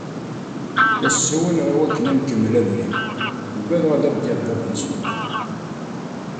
La as-ssawaleɣ i wakken ad nkemmel abrid, ugadeɣ ad aɣ-d-yaf bab-nsent.